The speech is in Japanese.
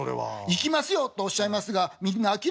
「『行きますよ』とおっしゃいますがみんな諦めていましたよ」。